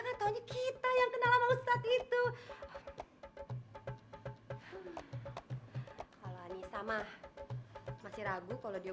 katanya kita yang kenal sama ustadz itu kalau anissa mah masih ragu kalau dia